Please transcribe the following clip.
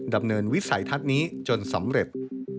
ดำเนินวิสัยทัศน์นี้จนสำเร็จ